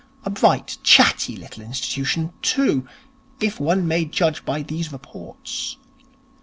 A bright, chatty little institution, too, if one may judge by these reports.